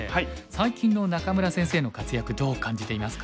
最近の仲邑先生の活躍どう感じていますか？